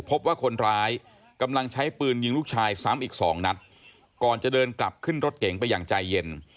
พบว่าคนร้ายกำลังใช้ปืนยิงลูกชายซ้ำอีกสองนัดก่อนจะเดินกลับขึ้นรถเก๋งไปอย่างใจเย็น